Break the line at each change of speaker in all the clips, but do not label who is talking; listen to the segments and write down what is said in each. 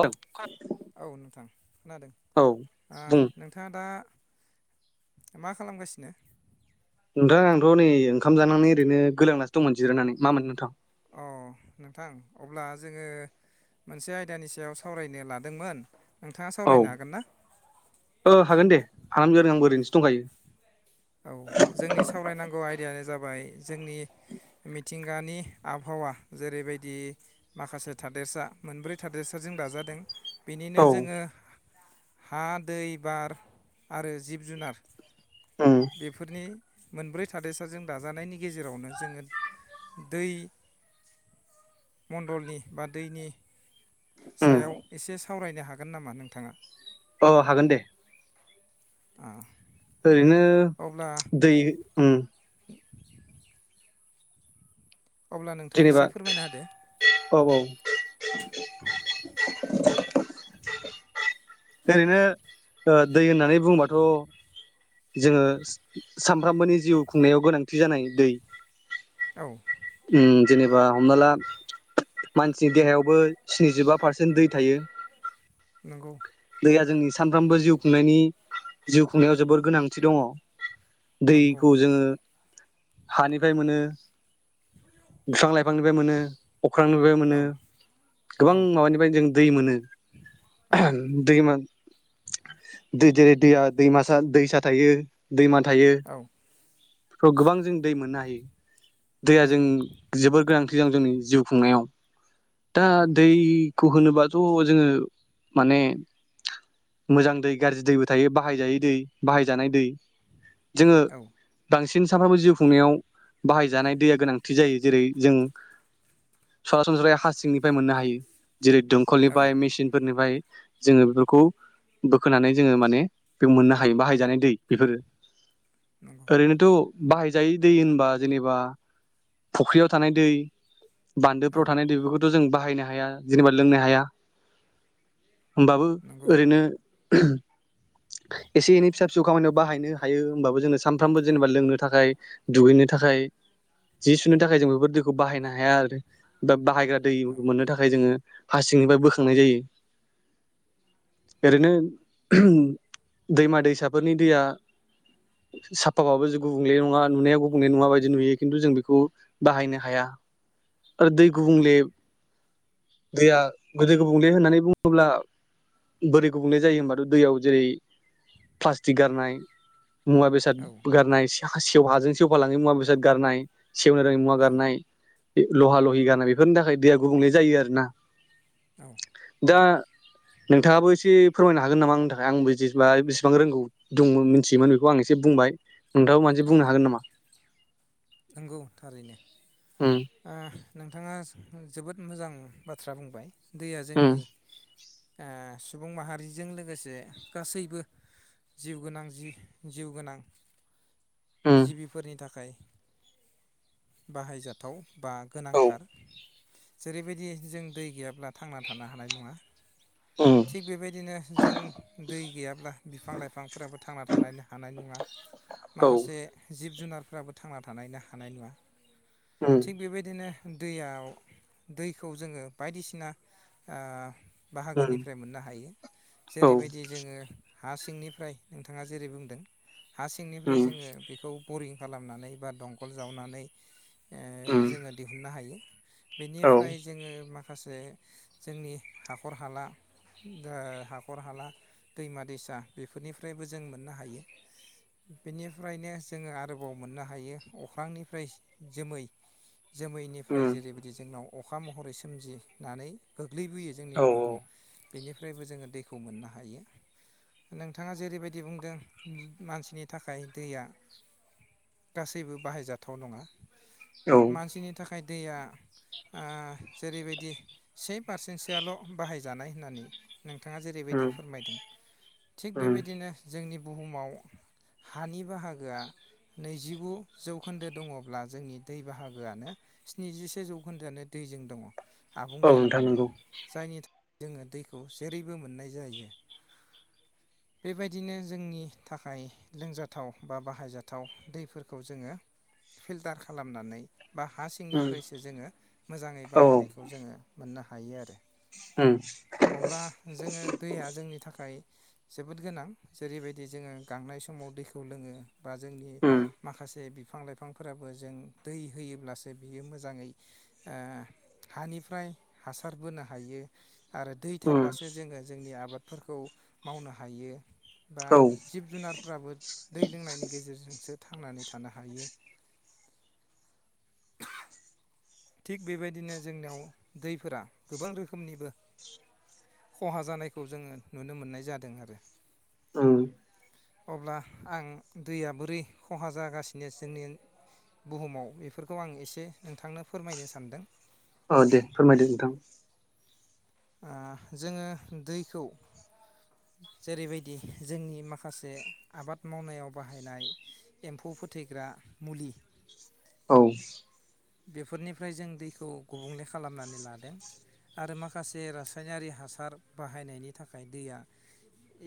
औ
[unintelligible] औ नोंथां खोनादों
औ
ओ
बुं
नोंथाङा दा मा खालामगासिनो?
नोंथां आंथ' नै ओंखाम जानानै ओरैनो गोलांनासो दंमोन जिरनानै मा मोनो नोंथां?
अ नोंथां अब्ला जोङो मोनसे आयदानि सायाव सावरायनो लादोंमोन। नोंथाङा
औ
सावरायनो हागोन ना
ओ हागोन दे आं आंबोरैनोसो दंखायो।
औ जोंनि सावरायनांगौ आयदायानो जाब बाय जोंनि मिथिंगानि आबहावा जेरैबायदि माखासे थादेरसा मोनब्रै थादेरसाजों दाजादों। बिनिनो
औ
जोङो हा दै बार आरो जिब जुनार
उम
बेफोरनि मोनब्रै थादैसाजों दाजानायनि गेजेरावनो जोङो दै मण्डलनि बा दैनि
उम
सायाव एसे सावरायनो हागोन नामा नोंथाङा?
अ हागोन दे
आ।
दिनो दैयो उम।
अब्ला नोंथाङा एसे
जेनेबा
फोरमायना होदो
औ औ। [inaudible] ओरैनो ओ दै होननानै बुंबाथ' जोङो सामफ्रामबोनि जिउ खुंनायाव गोनांथि जानाय दै।
औ।
उम जेनेबा हमना ला मानसिनि देहायावबो स्निजिबा पारसेन्ट दै थायो।
नंगौ
दैया जोंनि सानफ्रोमबो जिउ खुंनायनि जिउ खुंनायाव जोबोर गोनांथि दङ।
नंगौ
दैखौ जोङो हानिफ्राय मोनो। बिफां लाइफ फांनिफ्राय मोनो अख्रांनिफ्राय
औ
मोनो
औ
गोबां माबानिफ्राय जों दै मोनो
औ
[unintelligible] दैमा। दै देरै दैया दैमासा दैसा थायो ‌दैमा थायो
औ
बेफ्राव गोबां जों दै मोननो हायो। [inaudible] दैया जों
नंगौ
जिबोर गोनांथि दं जोंनि जिउ खुंनायाव। दा
नंगौ
दै खौ होनोबाथ' जोङो माने मोजां दै गाज्रि दैबो थायो बाहायजायै दै बाहायजानाय दै। जोङो
औ
बांसिन सिन सानफ्रोमबो जिउ खुंनायाव बाहायजानाय दैया गोनांथि जायो जेरै जों सरासनस्रै हा सिंनिफ्राय मोननो हायो। जेरै
औ
दंखलनिफाय मेसिन फोरनिफाय जोङो बेफोरखौ बोखोनानै जोङो माने बे मोननो हायो बाहायजानाय दै बेफोरो
नंगौ
ओरैनोथ' बाहायजायि दै होनबा जेनेबा फुख्रियाव थानाय दै
औ
बान्दोफ्राव थानाय दैखौथ' जों बाहाय बाहायनो हाया जेनेबा लोंनो हाया। होमबाबो
नंगौ
ओरैनो एसे एनै फिसा फिसौ खामानियाव बाहायनो हायो होमबाबो जोङो सानफ्रामबो जेनेबा लोंनो थाखाय दुगैनो थाखाय जि सुनो थाखाय जों बेफोर दैखौ बाहायनो हाया आरो बा बाहायग्रा दै
औ
मोननो थाखाय जोङो हासिंनिफ्राय बोखांनाय जायो ओरैनो दैमा दैसाफोरनि दैया साफाबाबो जों गुबुंले नङा नुनाया गुबुंले नङा बायदि नुयो खिन्थु जों बे खौ बाहायनो हाया आरो दै गुबुंले दैया गोदो गुबुंले होननानै बुङोब्ला बोरै गुबुंले जायो होनबाथ' दैयाव जेरै प्लास्टिक गारनाय मुवा बेसाद
औ
गारनायस सेवहाजों सेवफालाङ मुवा बेसाद गारनाय सेवनो रोङै मुवा
औ
गारनाय बे लहा लहि गारनाय बेफोरनि थाखाय दैया गुबुंले जायो आरोोना
औ
दा नोंथाङाबो एसे फोरमायनो हागोन नामा आंनि थाखाय आंबो बिदिबा बेसिबां रोंगौ दंमोन मिथियोमोन बेखौ आं एसे बुंबाय नोंथाब मादि
औ
बुंनो हागोन नामा?
[inaudible] ओ
उम
नोंथाङा जोबोद मोजां बाथ्रा बुंबाय दैया
उम
जोंनि ओ सुबुं माहारिजों लोगोसे गासैबो जिउ गोनां जि जिउ गोनां
उम
जिबिफोरनि थाखाय बाहायजा थाव बा
औ
गोनांथार जेरैबायदि जों दै गैयाब्ला थांना थानो हानाय नङा
उम
थिग बेबायदिनो जों दै गैयाब्ला बिफां लाइफांफोराबो थांना थानो हानाय नङा
औ
माखासे जिबुन जुनारफोराबो थांना थानायनो हानाय
उम
थिग बेबायदिनो दैयाव दैखौ जोङो बायदिसिना
उम
बाहागोनिफ्राय मोननो हायो
औ
जेरैबायदि जोङो हा सिंनिफ्राय नोंथाङा जेरै बुंदों हा सिंनिफ्राय
उम
जोङो बेखौ बरिं खालामनानै बा दंखल जावनानै ओ
उम
जोङो दिहुननो हायो
औ
बेनिफ्राय जोङो माखा माखासे जोंनि हाखर हाला ओ हाखर हाला दैमा दैसा बेफोरनिफ्रायबो जों मोननो हायो बेनिफ्रायनो जोङो आरोबाव मोननो हायो अख्रांनिफ्राय जोमै जोमैनिफ्राय
उम
जेरैबायदि जोंनाव अखा महरै सोमजिनानै गो गोग्लैबोयो जोंनि
औ
बुहुमाव बेनिफ्रायबो जोङो दैखौ मोननो हायो नोंथाङा जेरैबायदि बुंदों मानसिनि थाखाय दैया गासैबो बाहायजाथाव नङा
औ
मानसिनि थाखाय दैया ओ जेरैबायदि से पारसेन्टसोआल बाहायजानाय होननानै नोंथाङा जेरैबायदि
उम
फोरमायदों थिग
उम
बेबायदिनो जोंनि बुहुमाव हानि बाहागोआ नैजिगु जौखोन्दो दङब्ला जोंनि दै बाहागोआनो स्निजिसे जौखोन्दोआनो दैजों दङ। आबुं
औ नोंथां
जानानै
नंगौ
जायनि थाखाय जोङो दैखौ जेरैबो मोननाय जायो। बेबायदिनो जोंनि थाखाय लोंजाथाव बा बाहायजाथाव दैफोरखौ जोङो फिल्टार खालामनानै बा हा
उम
सिंनिफ्रायसो जोङो मोजाङै
औ
बाहायनायखौ जोङो मोननो हा हायो आरो।
उम।
अब्ला जोङो दैया जोंनि थाखाय जोबोद गोनां जेरैबायदि जोङो गांनाय समाव दैखौ लोङो बा जोंनि
उम
माखासे बिफां लाइफांफोराबो जों दै होयोब्लासो बियो मोजाङै ओ हानिफ्राय हासार बोनो हायो। आरो दै
उम
थाब्लासो जोङो जोंनि आबाद फोरखौ मावनो हायो। बा
औ
जिब जुनारफ्राबो दै लोंनायनि गेजेरजोंसो थांनानै थानो हायो। थिग बेबायदिनो जोंनियाव दैफोरा गोबां रोखोमनिबो खहा जानायखौ जोङो नुनो मोननाय जादों आरो।
उम।
अब्ला आं दैया बोरै खहा जागासिनो जोंनि बुहुमाव बेफोरखौ आं एसे नोंथांनो फोरमायनो सानदों
औ दे फोरमायदो नोंथां।
ओ जोङो दैखौ जेरैबायदि जोंनि माखासे आबाद मावनायाव बाहायनाय एम्फौ फोथैग्रा मुलि
औ।
बेफोरनिफ्राय जों दैखौ गुबुंले खालामनानै लादों आरो माखासे रासायनारि हासार बाहायनायनि थाखाय दैया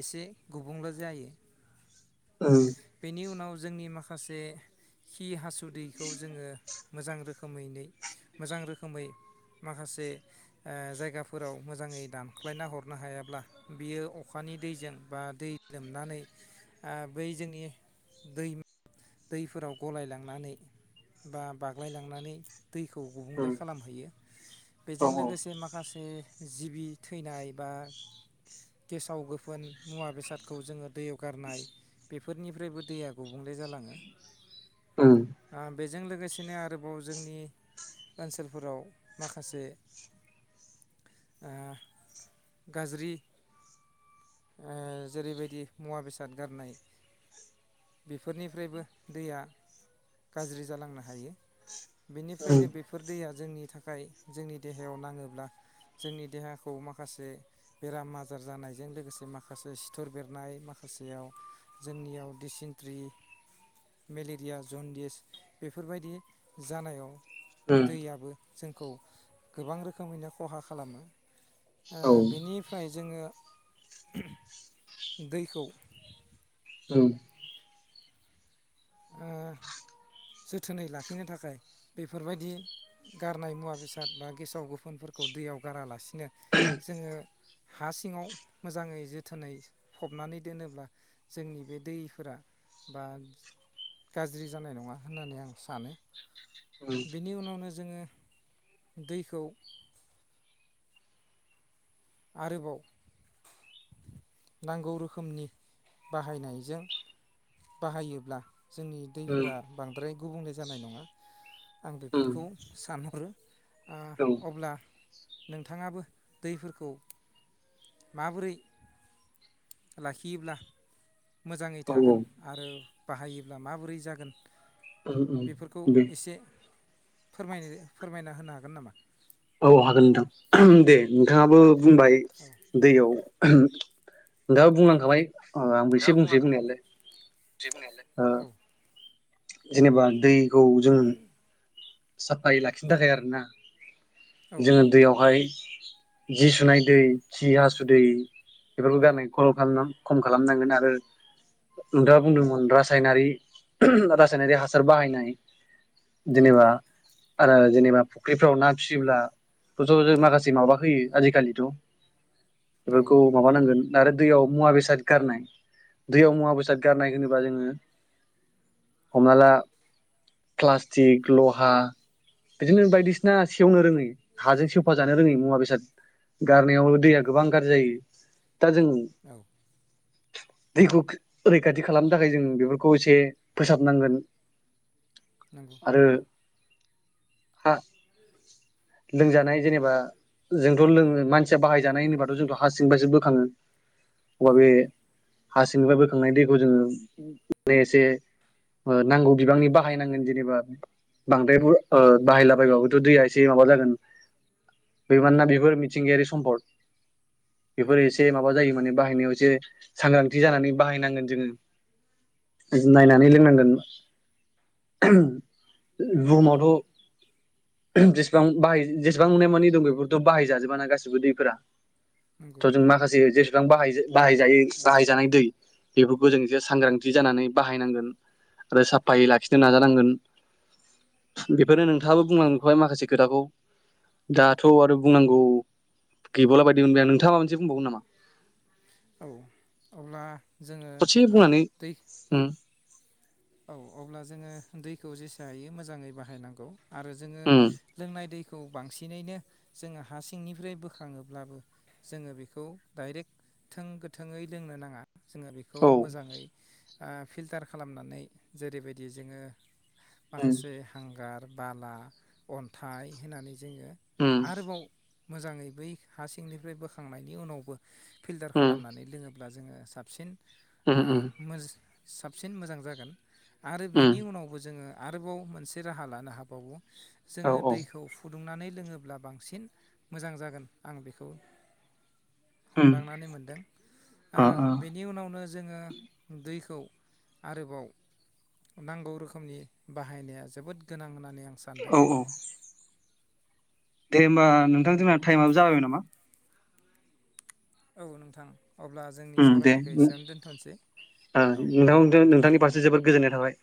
एसे गुबुंले जायो।
उम
बेनि उनाव जोंनि माखासे खि हासुदैखौ जोङो मोजां रोखोमैनो मोजां रोखोमै माखासे ओ जायगाफोराव मोजाङै दानख्लायना हरनो हायाब्ला बियो अखानि दैजों बा दैफोराव गलायलांनानै बा बाग्लायलांनानै दैखौ गुबुंले
उम
खालामहैयो
औ
बेजों
उम
लोगोसे माखासे जिबि थैनाय बा गेसाव गोफोन मुवा बेसादखौ जोङो दैैयाव गारनाय बेफोरनिफ्रायबो दैया गुबुंले जालाङो।
उम।
ओ बेजों लोगोसेनो आरोबाव जोंनि ओनसोलफोराव माखासे ओ गाज्रि ओ जेरैबायदि मुवा बेसाद गारनाय बेफोरनिफ्रायबो दैया गाज्रि जालांनो हायो।
उम औ
बेनिफ्रायनो बेफोर दैया जोंनि थाखाय जोंनि देहायाव नाङोब्ला जोंनि देहाखौ माखासे बेराम आजार जानायजों लोगोसे माखासे सिथर बेरनाय माखासेयाव जोंनियाव दिसेन्ट्रि मेलेरिया जनडिस बेफोरबायदि जानायाव दैयाबो जोंखौ गोबां रोखोमैनो खहा खालामो। ओ
औ
बिनिफ्राय जोङो दैखौ
औ
ओ जोथोनै लाखिनो थाखाय बेफोरबायदि गारनाय मुवा बेसाद बा गेसाव गोफोनफोरखौ दैयाव गारालासि नो जोङो हा सिङाव मोजाङै जोथोनै फबनानै दोनोब्ला जोंनि बे दैफोरा बा गाज्रि जानाय नङा होननानै आं सानो। बेनि उनावनो जोङो दैखौ आरोबाव नांगौ रोखोमनि बाहायनायजों बाहायोब्ला जोंनि दैफोरा बांद्राय गुबुंले जानाय नङा आं बेफोरखौ सानहरो ओ अब्ला नोंथाङाबो दैफोरखौ माबोरै लाखियोब्ला मोजाङै थागोन आरो बाहायोब्ला माबोरै जागोन।
उम
बेफोरखौ
उम दे
एसे फोरमायनो फोरमायना होनो हागोन नामा?
औ हागोन नोंथां दे नोंथाङाबो बुंबाय
औ
दैयाव नोंथाङा बुंलांखाबाय अ आंबो एसे
नोंथाङा
बुंनोसै
बुंलांखाबाय
बुंनायालाय
बुंनायालाय
अ
औ
जेनेबा दैखौ जों साफायै लाखिनो थाखाय आरोना।
औ
जों दैयावहाय जि सुनाय दै सि हासु दै बेफोरखौ गारनानै ख' खम खालामनांगोन आरो नोंथाङा बुंदोंमोन रासायनारि रासायनारि हासार बाहायनाय
औ
जेनेबा आरो जेनेबा फुख्रिफ्राव ना फिसियोब्ला बेथ' ज माखासे माबा होयो आजिखालिथ'
औ
बेफोरखौ माबानांगोन। आरो दैयाव मुवा बेसाद गारनाय दैयाव मुवा बेसाद गारनाय होनोबा जोङो हमना ला प्लास्टिक लहा बिदिनो बायदिसिना सेवनो रोङै हाजों सेवफा जानो रोङै मुवा बेसाद गारनायाव दैया गोबां गाज्रि जायो। दा जोङो
औ
दैखौ रैखाथि खालामनो थाखाय जों बेफोरखौ एसे फोसाबनांगोन।
नंगौ
आरो हा लोंजानाय जेनेबा जोंथ' लोङो मानसिया बाहायजानाय होनबाथ' जोंथ' हा सिंबासो बोखाङो
औ
[unintelligible] हासिंनिफ्राय बोखांनाय दैखौ जोङो माने एसे ओ नांगौ बिबांनि बाहायनांगोन जेनेबा बांद्रायबो ओ बाहायला बायबाबोथ' दैया एसे माबा जागोन बे मानोना बेफोर मिथिंगायारि सम्पद बेफोर
नंगौ
एसे माबा जायो माने बाहायनायाव एसे सांग्रांथि जाना बाहाय नांगोन जोङो नायनानै नै लोंनांगोन बुहुमावथ' जेसेबां जेसेबां नुनाय मानि दं बेफोरथ' बाहायजाजोब ना गासिबो दैफोरा
नंगौ
थ' जों माखासे ज बिबां बाहायजायै बाहायजानाय दै बेफोरखौ जों एसे सांग्रांथि जानानै बाहायनांगोन आरो साफायै लाखिनो नाजानांगोन बेफोरनो नों थांआबो
औ
बुंलांजोबखाबाय माखसे खोथाखौ दाथ' आरो बुंनांगौ गैबावला बायदि मोनबाय आं नोंथाङा माबा मोनसे बुंबावगोन नामा?
औ अब्ला जोङो
ससे बुंनानानै
दै
ओम
औ अब्ला जोङो दैखौ जेसे हायो मोजाङै बाहायनांगौ आरो जोङो
उम
लोंनाय दैखौ खौ बांसिनैनो जोङो हा सिंनिफ्राय बोखाङोब्लाबो जोङो बेखौ डाइरेक्ट थों गोथोै लोंनो नाङा जोङो बेखौ
औ
मोजाङै ओ फिल्टार खालामनानै जेरैबायदि जोङो
उम
माखासे हांगार बाला अन्थाय होनानै जोङो
उम
आरोबाव मोजाङै बै हा सिंनिफ्राय बोखांनायनि उनावबो फिल्टार
उम
खालामनानै लोङो ब्ला जोङो साबसिन
उम
ओ
उम
मोज साबसिन मोजां जागोन आरो
उम
बिनि उनावबो जोङो आरोबाव मोनसे राहा लानो हाबावो
औ
जोङो
औ
दैखौ फु दुंनानै लोङोब्ला बांसिन मोजां जागोन आं बेखौ
उम
हमदांनानै मोनदों ओ बेनि उनावनो जोङो दैखौ आरोबाव नांगौ रोखोमनि बाहायनाया जोबोद गोनां होननानै आं सानदों
औ औ दे होमबा नोंथां जोंना टाइमाबो जाबायबो नामा?
औ नोंथां अब्ला जोंनि
उम
सावरायनायखौ
दे
एसेयावनो दोनथ'सै
ओ
औ दे नोंथां
नोंथांनि फारसे जोबोद गोजोननाय थाबाय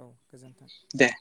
औ गोजोन्थों।
दे